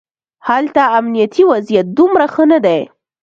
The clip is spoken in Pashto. هلته امنیتي وضعیت دومره ښه نه دی.